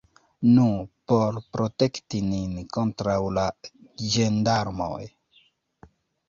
Nu, por protekti nin kontraŭ la ĝendarmoj!